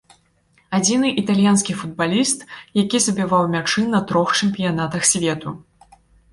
Адзіны італьянскі футбаліст, які забіваў мячы на трох чэмпіянатах свету.